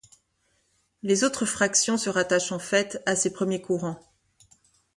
Les autres fractions se rattachent, en fait, à ces premiers courants.